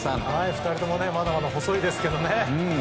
２人ともまだまだ細いですけどね。